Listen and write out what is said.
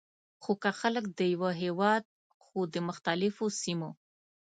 خو که خلک د یوه هیواد خو د مختلفو سیمو،